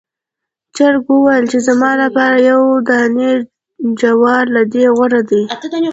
چرګ وویل چې زما لپاره یو دانې جوار له دې غوره دی.